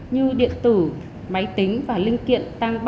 như điện tử máy tính và linh kiện tăng ba mươi